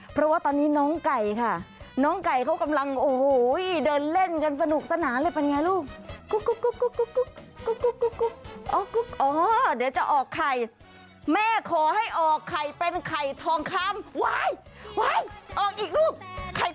เพราะว่าตอนนี้น้องไก่ค่ะน้องไก่เขากำลังโอ้โหเดินเล่นกันสนุกสนานเลยเป็นไงลูก